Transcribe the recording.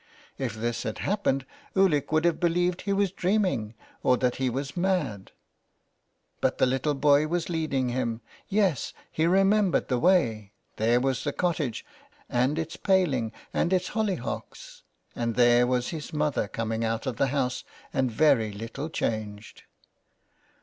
If this had happened Ulick would have believed he was dreaming or that he was mad. But the little boy was leading him, yes, he re membered the way, there was the cottage, and its paling, and its hollyhocks. And there was his mother coming out of the house and very little changed.